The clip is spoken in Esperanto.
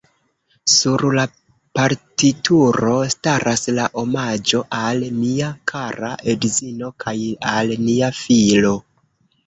Sur la partituro staras la omaĝo: "Al mia kara edzino kaj al nia filo.